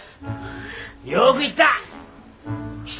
よく言った！